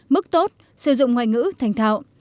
mức tốt sử dụng ngoại ngữ thành thạo